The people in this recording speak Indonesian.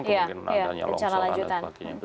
kemungkinan adanya longsoran dan sebagainya